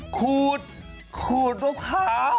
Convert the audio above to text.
ขูดขูดมะพร้าว